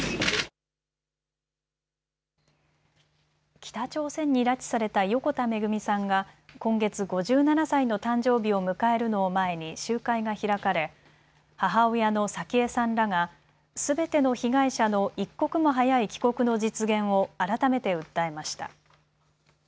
北朝鮮に拉致された横田めぐみさんが今月、５７歳の誕生日を迎えるのを前に集会が開かれ母親の早紀江さんらがすべての被害者の一刻も早い帰国の実現を改めて訴えました。